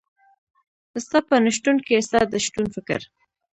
ستا په نشتون کي ستا د شتون فکر